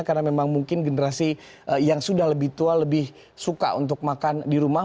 karena memang mungkin generasi yang sudah lebih tua lebih suka untuk makan di rumah